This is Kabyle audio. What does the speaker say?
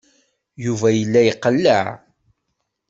Yuba yella iqelleɛ.